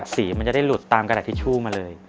สีมันจะได้หลุดตามกระดาษทิชชู่มาเลย